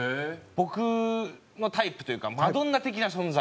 僕のタイプというかマドンナ的な存在。